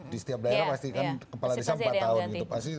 di setiap daerah pasti kan kepala desa empat tahun